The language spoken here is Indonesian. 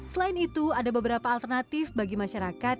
selain itu ada beberapa alternatif bagi masyarakat